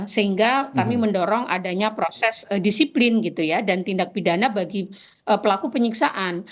sehingga kami mendorong adanya proses disiplin gitu ya dan tindak pidana bagi pelaku penyiksaan